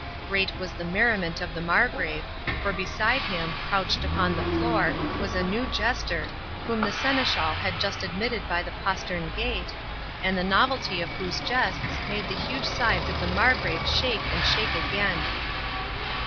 Great was the merriment of the Margrave, for beside him, crouched upon the floor, was a new jester, whom the seneschal had just admitted by the postern gate, and the novelty of whose jests made the huge sides of the Margrave shake and shake again.